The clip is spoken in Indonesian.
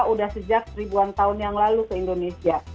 sudah sejak ribuan tahun yang lalu ke indonesia